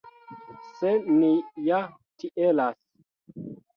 Se ni ja tielas.